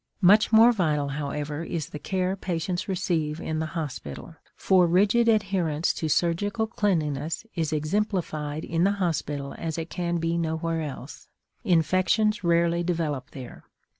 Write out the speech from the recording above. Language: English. Much more vital, however, is the care patients receive in the hospital, for rigid adherence to surgical cleanliness is exemplified in the hospital as it can be nowhere else. Infections rarely develop there.